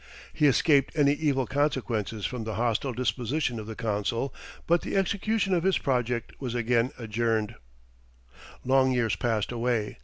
He escaped any evil consequences from the hostile disposition of the Council, but the execution of his project was again adjourned. [Illustration: Building a caravel.] Long years passed away.